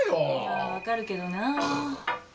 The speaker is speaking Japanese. まあ分かるけどな。